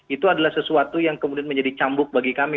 itu adalah sesuatu yang kemudian menjadi cambuk bagi kami